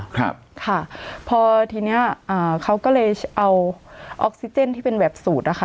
ครับค่ะพอทีเนี้ยอ่าเขาก็เลยเอาออกซิเจนที่เป็นแบบสูตรนะคะ